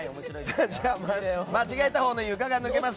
じゃあ、間違えたほうの床が抜けます。